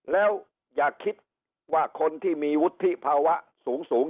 แล้วอย่าคิดว่าคนที่มีวุฒิภาวะสูง